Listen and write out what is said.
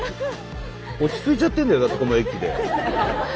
落ち着いちゃってんだよだってこの駅で。